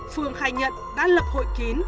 phương khai nhận đã lập hội kín